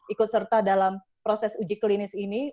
ikut serta dalam proses uji klinis ini